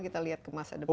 kita lihat ke masa depan